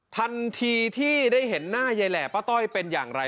ทันทีที่ได้เห็นหน้ายายแหล่ป้าต้อยเป็นอย่างไร